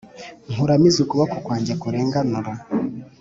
nkuramize ukuboko kwanjye kurenganura.